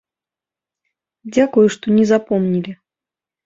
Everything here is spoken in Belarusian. Дзякую, што не запомнілі.